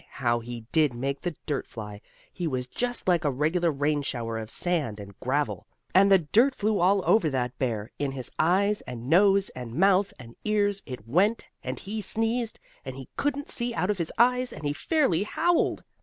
how he did make the dirt fly. It was just like a regular rain shower of sand and gravel. And the dirt flew all over that bear; in his eyes and nose and mouth and ears, it went, and he sneezed, and he couldn't see out of his eyes, and he fairly howled.